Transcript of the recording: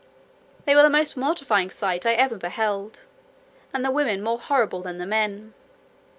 They were the most mortifying sight I ever beheld; and the women more horrible than the men.